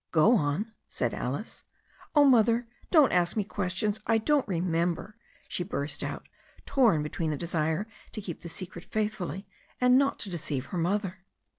'Go on," said Alice. 'Oh, Mother, don't ask me questions. I don't remember," she burst out, torn between the desire to keep the secret faithfully, and not to deceive her mother.